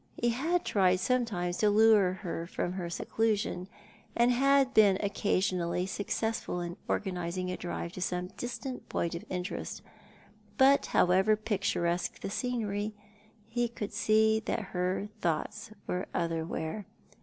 He had tried sometimes to lure her from her seclusion, and had been occasionally successful in organising a drive to some distant point of interest, but however picturesque the scenery, he could see that her thoughts were otherwhere.